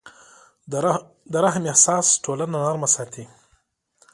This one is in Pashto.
د رحم احساس ټولنه نرمه ساتي.